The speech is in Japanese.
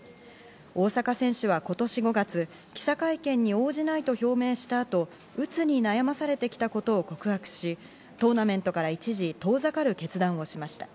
大坂選手は今年５月、記者会見に応じないと表明した後、うつに悩まされてきたことを告白し、トーナメントから一時、遠ざかる決断をしました。